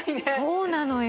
そうなのよ。